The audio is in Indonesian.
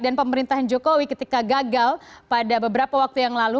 dan pemerintahan jokowi ketika gagal pada beberapa waktu yang lalu